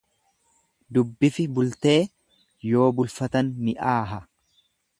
Dubbifi bultee yoo bulfatan mi'aaha.